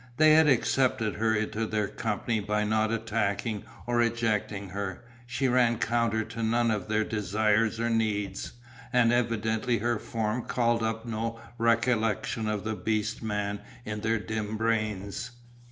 They had accepted her into their company by not attacking or ejecting her, she ran counter to none of their desires or needs and evidently her form called up no recollections of the beast Man in their dim brains.